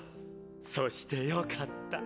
そしてよかった。